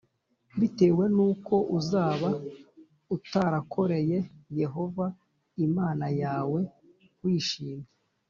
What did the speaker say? bitewe n’uko uzaba utarakoreye yehova imana yawe wishimye